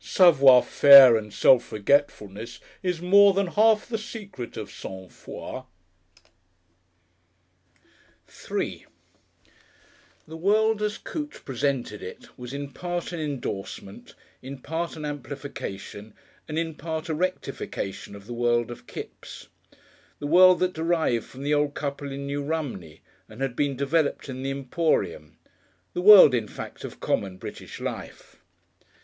Savoir Faire and self forgetfulness is more than half the secret of Sang Froid." §3 The world as Coote presented it was in part an endorsement, in part an amplification and in part a rectification of the world of Kipps, the world that derived from the old couple in New Romney and had been developed in the Emporium; the world, in fact, of common British life.